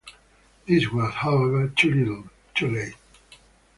This was, however, too little, too late.